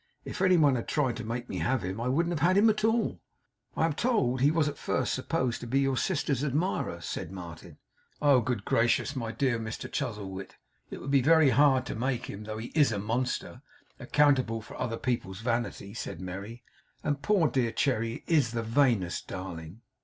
If any one had tried to make me have him, I wouldn't have had him at all.' 'I am told that he was at first supposed to be your sister's admirer,' said Martin. 'Oh, good gracious! My dear Mr Chuzzlewit, it would be very hard to make him, though he IS a monster, accountable for other people's vanity,' said Merry. 'And poor dear Cherry is the vainest darling!